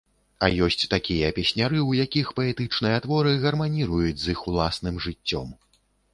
А ёсць такія песняры, у якіх паэтычныя творы гарманіруюць з іх уласным жыццём.